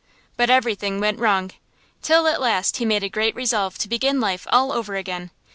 But everything went wrong, till at last he made a great resolve to begin life all over again.